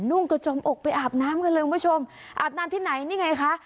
นุ่งกระจมอกไปอาบน้ำกันเลยคุณผู้ชมอาบน้ำที่ไหนนี่ไงคะ